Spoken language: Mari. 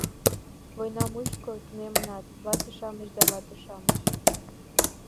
— Война мучко тунемынат: вате-шамыч да вате-шамыч...